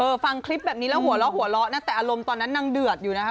เออฟังคลิปแบบนี้แล้วหัวล้อแต่อารมณ์ตอนนั้นนางเดือดอยู่นะคะ